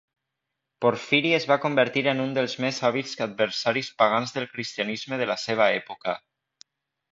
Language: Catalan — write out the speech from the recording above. Porfiri es va convertir en un dels més hàbils adversaris pagans del cristianisme de la seva època.